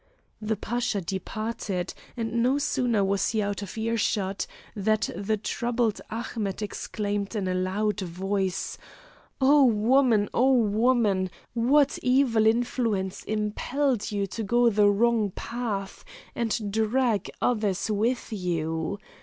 The Pasha departed, and no sooner was he out of earshot, than the troubled Ahmet exclaimed in a loud voice: "Oh woman! Oh woman! what evil influence impelled you to go the wrong path, and drag others with you!